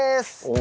お。